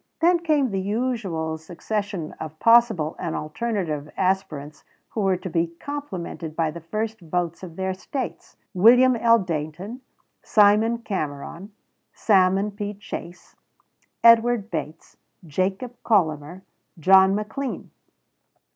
Then came the usual succession of possible and alternative aspirants who were to be complimented by the first votes of their States "William L. Dayton, Simon Cameron, Salmon P. Chase, Edward Bates, Jacob Collamer, John McLean.